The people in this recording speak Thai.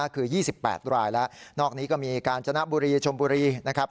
คือ๒๘รายแล้วนอกนี้ก็มีกาญจนบุรีชมบุรีนะครับ